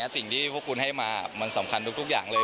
สิ่งที่พวกคุณให้มามันสำคัญทุกอย่างเลย